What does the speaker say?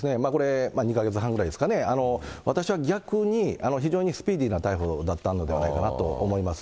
２か月半ぐらいですかね、私は逆に非常にスピーディーな逮捕だったのではないかなと思います。